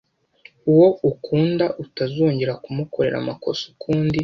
uwo ukunda utazongera kumukorera amakosa ukundi,